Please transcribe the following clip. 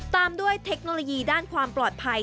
ตามด้วยเทคโนโลยีด้านความปลอดภัย